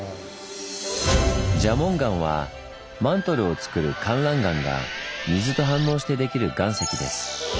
蛇紋岩はマントルをつくるかんらん岩が水と反応してできる岩石です。